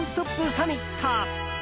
サミット。